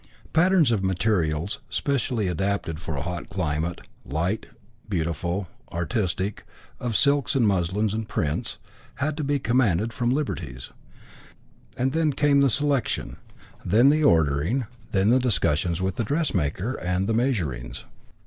Patterns of materials specially adapted for a hot climate light, beautiful, artistic, of silks and muslins and prints had to be commanded from Liberty's. Then came the selection, then the ordering, then the discussions with the dressmaker, and the measurings.